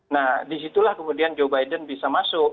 nah di situlah kemudian joe biden bisa masuk